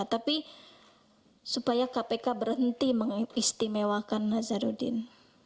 tapi supaya kpk berhenti mengistimewakan nazarudin